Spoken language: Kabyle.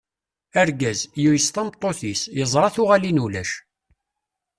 Argaz, yuyes tameṭṭut-is, yeẓra tuɣalin ulac.